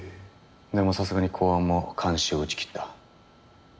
でもさすがに公安も監視を打ち切った。